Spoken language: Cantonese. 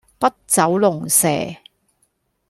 筆走龍蛇